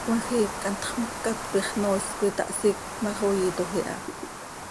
Cmajiic quih hantx mocat coi xnoois coi tahsíc ma x, oiitoj iha.